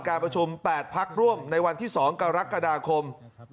การประชุม๘พักร่วมในวันที่๒กรกฎาคม